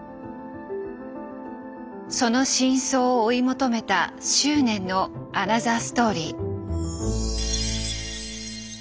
その真相を追い求めた執念のアナザーストーリー。